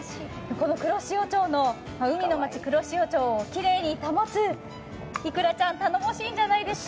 海の街、黒潮町の海をきれいに保ついくらちゃん、頼もしいんじゃないですか？